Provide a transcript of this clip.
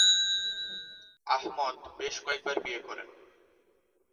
আহমদ বেশ কয়েকবার বিয়ে করেন।